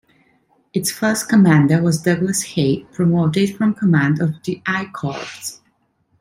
Its first commander was Douglas Haig promoted from command of the I Corps.